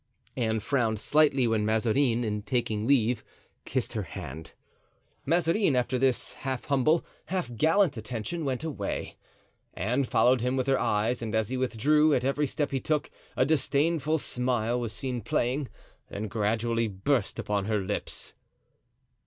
Anne frowned slightly when Mazarin, in taking leave, kissed her hand. Mazarin, after this half humble, half gallant attention, went away. Anne followed him with her eyes, and as he withdrew, at every step he took, a disdainful smile was seen playing, then gradually burst upon her lips.